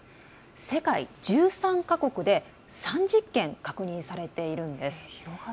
世界１３か国で３０件確認されているんです。